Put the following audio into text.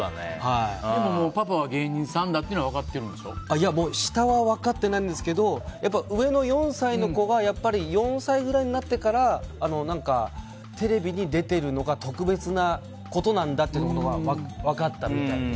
でもパパは芸人さんだっていうのは下は分かってないんですけど上の４歳の子は４歳くらいになってからテレビに出てるのが特別なことなんだってことが分かったみたいで。